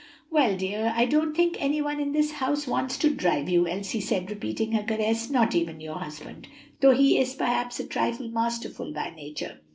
"Well, dear, I don't think any one in this house wants to drive you," Elsie said, repeating her caress, "not even your husband; though he is, perhaps, a trifle masterful by nature.